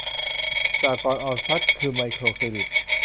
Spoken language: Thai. สหกรณ์ออมทรัพย์ คือไมโครเครดิต